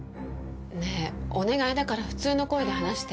ねえお願いだから普通の声で話して。